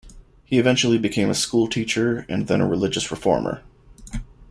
He eventually became a schoolteacher and then a religious reformer.